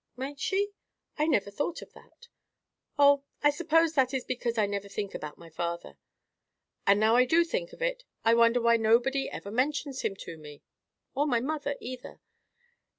"Might she? I never thought of that. Oh, I suppose that is because I never think about my father. And now I do think of it, I wonder why nobody ever mentions him to me, or my mother either.